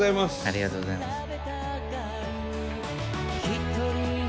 ありがとうございます。